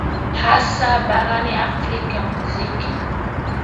hasa barani afrika muziki